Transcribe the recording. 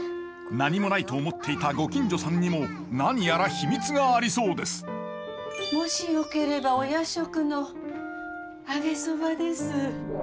何もないと思っていたご近所さんにも何やら秘密がありそうですもしよければお夜食の揚げそばです。